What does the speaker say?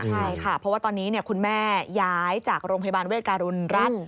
ใช่ค่ะเพราะว่าตอนนี้คุณแม่ย้ายจากโรงพยาบาลเวทการุณรัฐ